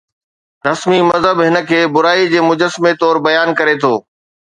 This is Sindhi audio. رسمي مذهب هن کي برائي جي مجسمي طور بيان ڪري ٿو